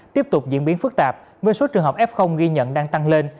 tiếp tục diễn biến phức tạp với số trường hợp f ghi nhận đang tăng lên